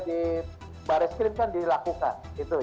di baris krim kan dilakukan